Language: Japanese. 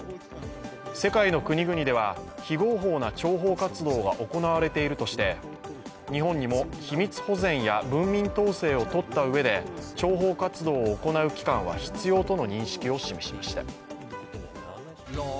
世界の国々では非合法な諜報活動が行われているとして日本にも秘密保全や文民統制をとったうえで諜報活動を行う機関は必要との認識を示しました。